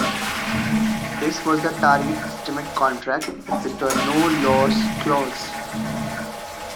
This was a target estimate contract with a 'no loss clause'.